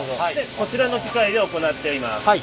こちらの機械で行っています。